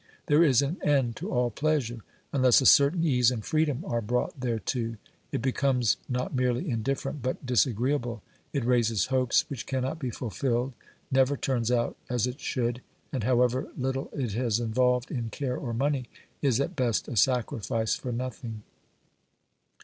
There is an end to all pleasure, unless a certain ease and freedom are OBERMANN 235 brought thereto. It becomes not merely indifferent, but disagreeable ; it raises hopes which cannot be fulfilled, never turns out as it should, and, however little it has involved in care or money, is at best a sacrifice for nothing.